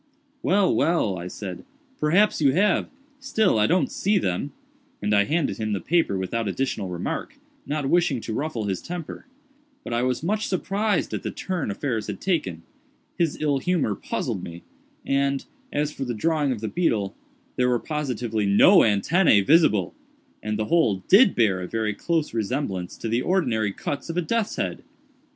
"Well, well," I said, "perhaps you have—still I don't see them;" and I handed him the paper without additional remark, not wishing to ruffle his temper; but I was much surprised at the turn affairs had taken; his ill humor puzzled me—and, as for the drawing of the beetle, there were positively no antennæ visible, and the whole did bear a very close resemblance to the ordinary cuts of a death's head.